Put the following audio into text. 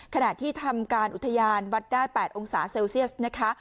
ขณะที่ทำการอุทยานวัดได้๘องศาเซลเซียสนะคะ